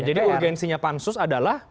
oke jadi urgensinya pansus adalah